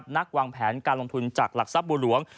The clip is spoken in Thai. นักวางแผนการลงทุนจากหลักทรัพย์บัวหลวง